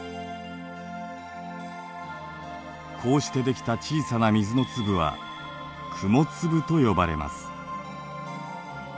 こうしてできた小さな水の粒は雲粒と呼ばれます。